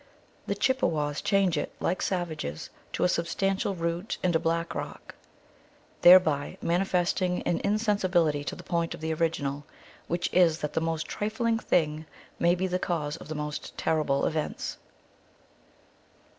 The Chippewas change it, like savages, to a substantial root and a black rock, thereby manifest ing an insensibility to the point of the original, which is that the most trifling thing may be the cause of the most terrible events.